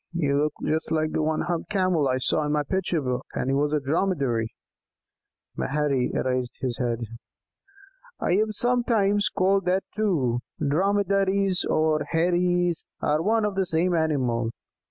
You look just like the one humped Camel I saw in my picture book, and he was a Dromedary." Maherry raised his head. "I am sometimes called that too. Dromedaries or Heiries are one and the same animal.